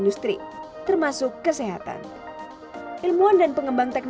oleh sebab itu untuk memudahkan pekerjaan manusia ai kini masuk ke dalam sistem ai